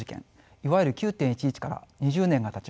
いわゆる９．１１から２０年がたちました。